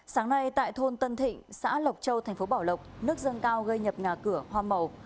sáng nay tại thôn tân thịnh xã lộc châu thành phố bảo lộc nước dân cao gây nhập ngà cửa hoa màu